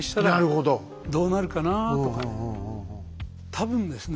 多分ですね